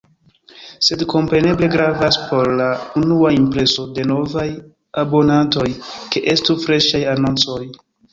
Sed kompreneble gravas por la unua impreso de novaj abonantoj, ke estu freŝaj anoncoj.